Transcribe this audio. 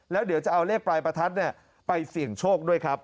แล้วเดี๋ยวจะเอาเลขปลายประทัดไปเสี่ยงโชคด้วยครับ